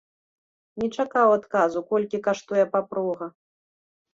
Не чакаў адказу, колькі каштуе папруга.